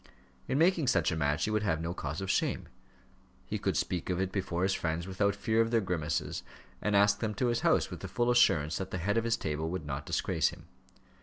In making such a match he would have no cause of shame. He could speak of it before his friends without fear of their grimaces, and ask them to his house, with the full assurance that the head of his table would not disgrace him.